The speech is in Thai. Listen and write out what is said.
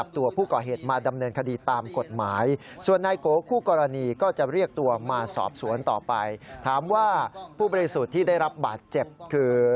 ถามว่าผู้บริสุทธิ์ที่ได้รับบาดเจ็บคือ